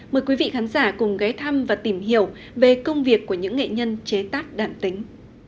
mời quý vị khán giả cùng ghé thăm và tìm hiểu về công việc của những nghệ nhân chế tác đàn tính